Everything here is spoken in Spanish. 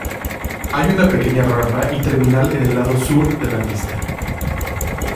Hay una pequeña rampa y terminal en el lado sur de la pista.